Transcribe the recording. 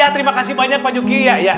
terima kasih banyak pak juki